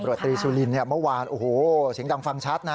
คุณตริสุรินฮะเมื่อวานโอ้โหเสียงดังฟังชัดนะ